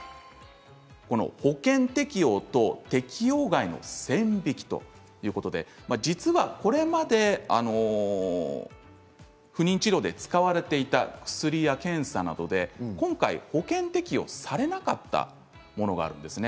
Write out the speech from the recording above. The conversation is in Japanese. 保険適用と適用外の線引きということで実はこれまで不妊治療で使われていた薬や検査などで今回、保険適用されなかったものがあるんです。